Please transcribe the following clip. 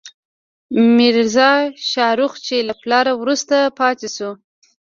میرزا شاهرخ، چې له پلار وروسته پاچا شو.